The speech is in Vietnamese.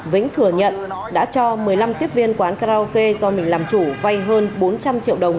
vĩnh thừa nhận đã cho một mươi năm tiếp viên quán karaoke do mình làm chủ vay hơn bốn trăm linh triệu đồng